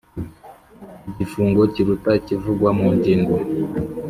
Igifungo kiruta ikivugwa mu ngingo